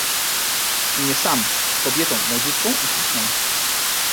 "i nie sam... z kobietą, młodziutką i śliczną."